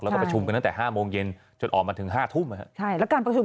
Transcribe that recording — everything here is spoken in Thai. แล้วก็ประชุมกันตั้งแต่ห้าโมงเย็นจนออกมาถึงห้าทุ่มใช่แล้วการประชุม